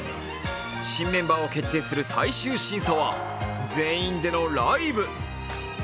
新メンバーを決定する最終審査は全員でのライブ。